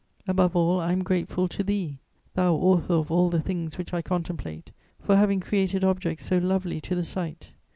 Above all, I am grateful to Thee, Thou Author of all the things which I contemplate, for having created objects so lovely to the sight....